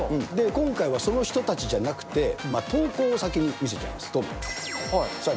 今回はその人たちじゃなくて、投稿を先に見せちゃいます、どん。